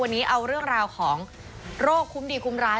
วันนี้เอาเรื่องราวของโรคคุ้มดีคุ้มร้าย